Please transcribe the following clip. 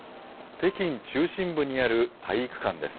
北京中心部にある体育館です。